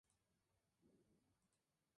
Su extensión es pequeña y abrigada.